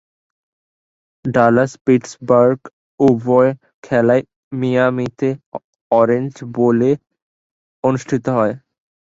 Dallas-Pittsburgh উভয় খেলাই মিয়ামিতে orange বোলে অনুষ্ঠিত হয়।